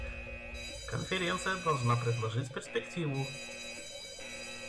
Конференция должна предложить перспективу.